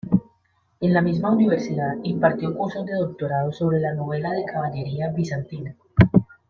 En la misma Universidad, impartió cursos de doctorado sobre la novela de caballería bizantina.